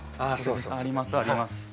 ありますあります。